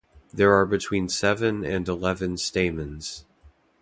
There are between seven and eleven stamens.